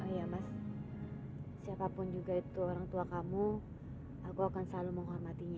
lindungilah dan sayangilah tirzah